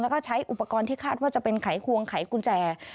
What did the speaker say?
แล้วก็ใช้อุปกรณ์ที่คาดว่าจะเป็นไขควงไขกุญแจ